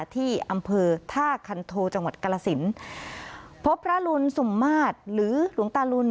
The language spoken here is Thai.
ที่อำเภอท่าคันโทจังหวัดกรสินพบพระรุนสุ่มมาตรหรือหลวงตาลุน